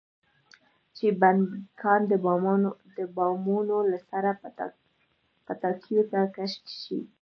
چې بډنکان د بامونو له سره پټاکیو ته کش شي.